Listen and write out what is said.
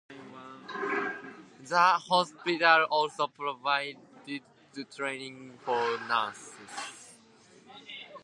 The hospital also provided training for nurses.